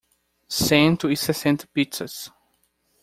Cento e sessenta pizzas